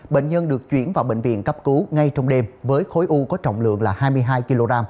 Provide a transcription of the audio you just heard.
bệnh nhân được chuyển vào bệnh viện cấp cứu ngay trong đêm với khối u có trọng lượng là hai mươi hai kg